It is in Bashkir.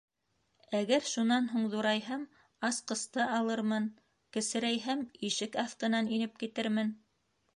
Әгәр шунан һуң ҙурайһам, асҡысты алырмын, кесерәйһәм —ишек аҫтынан инеп китермен.